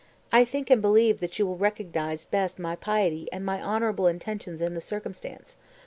I think and believe that you will recognize best my piety and honorable intentions in the circumstance.